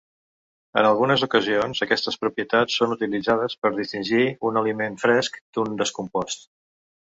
En algunes ocasions aquestes propietats són utilitzades per distingir un aliment fresc d'un descompost.